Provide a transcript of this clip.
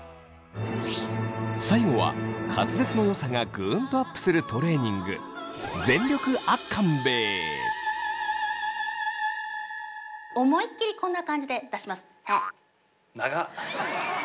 最後は滑舌の良さがグンとアップするトレーニング思いっきりこんな感じで出します。